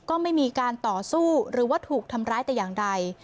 ก็ไม่มีการต่อสู้หรือว่าถูกทำร้ายแต่อย่างใด